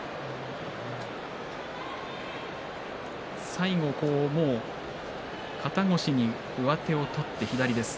最後肩越しに上手を取って左です。